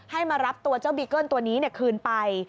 มารับตัวเจ้าบีเกิ้ลตัวนี้คืนไป